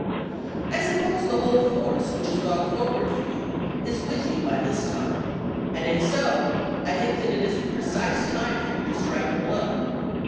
I suppose the whole force which has gone forward for you is with you by this time, and if so, I think it is the precise time for you to strike a blow.